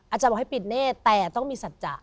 อาจารย์บอกให้ปิดเน่แต่ต้องมีสัจจะ